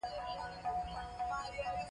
وسله وطن ورانوي